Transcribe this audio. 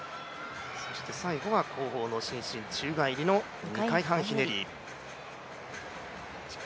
最後は後方の伸身宙返りの２回半ひねり。